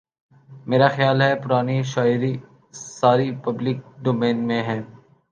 میرا خیال ہے پرانی شاعری ساری پبلک ڈومین میں ہے